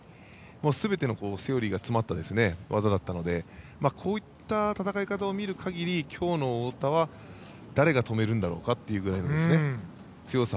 すべてのセオリーが詰まった技だったのでこういった戦い方を見る限り今日の太田は誰が止めるんだろうというくらいの強さ。